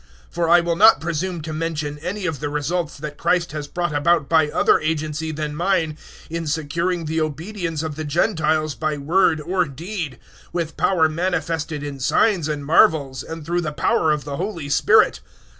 015:018 For I will not presume to mention any of the results that Christ has brought about by other agency than mine in securing the obedience of the Gentiles by word or deed, 015:019 with power manifested in signs and marvels, and through the power of the Holy Spirit.